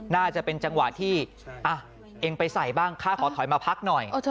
น่าจะเป็นจังหวะที่เองไปใส่บ้างข้าขอถอยมาพักหน่อย